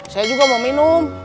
saya juga mau minum